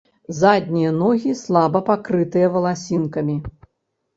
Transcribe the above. Заднія ногі слаба пакрытыя валасінкамі.